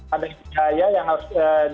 ada ijaya yang harus